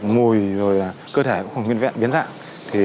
mùi rồi cơ thể cũng không nguyên vẹn biến dạng